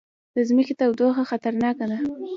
د ځمکې تودوخه خطرناکه ده